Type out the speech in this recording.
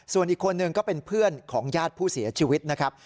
ส่วนอีกคนนึงก็เป็นเพื่อนของญาติผู้เสียชีวิตนะครับ